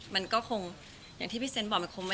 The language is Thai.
มันก็ต้องมีบางวันที่มีทารกกันอะไรอย่างนี้